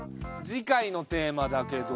次回のテーマだけど。